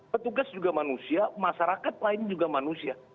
petugas juga manusia masyarakat lain juga manusia